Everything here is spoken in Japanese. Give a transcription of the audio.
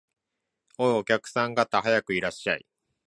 おい、お客さん方、早くいらっしゃい